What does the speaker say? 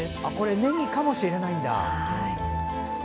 ねぎかもしれないんだ。